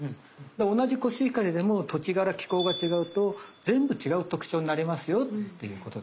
同じコシヒカリでも土地柄気候が違うと全部違う特徴になりますよっていうことです。